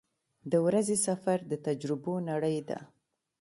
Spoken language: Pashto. • د ورځې سفر د تجربو نړۍ ده.